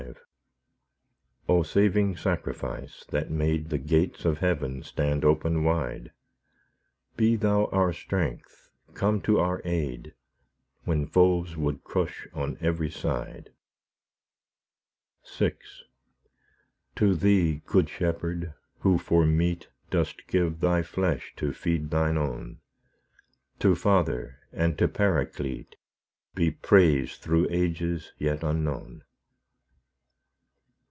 V O Saving Sacrifice! that made The gates of heaven stand open wide, Be Thou our strength, come to our aid, When foes would crush on every side. VI To Thee, Good Shepherd, who for meat Dost give Thy flesh to feed Thine own, To Father, and to Paraclete, Be praise through ages yet unknown.